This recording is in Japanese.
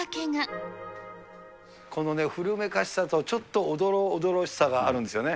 この古めかしさと、ちょっとおどろおどろしさがあるんですよね。